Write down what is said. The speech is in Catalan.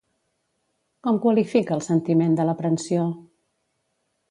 Com qualifica el sentiment de l'aprensió?